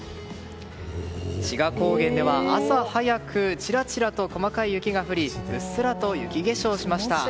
志賀高原では朝早く、ちらちら細かい雪が降りうっすらと雪化粧しました。